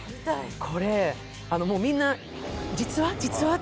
これ、みんな実話？